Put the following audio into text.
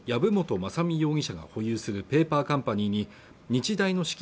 雅巳容疑者が保有するペーパーカンパニーに日大の資金